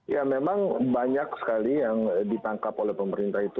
ya memang banyak sekali yang ditangkap oleh pemerintah itu